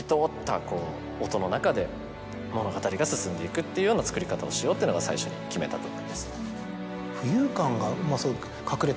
物語が進んでいくっていうような作り方をしようっていうのが最初に決めたところです。